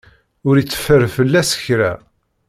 Ur iteffer fell-as kra.